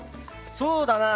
そうだな。